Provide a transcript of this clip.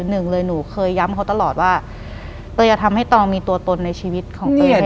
หลังจากนั้นเราไม่ได้คุยกันนะคะเดินเข้าบ้านอืม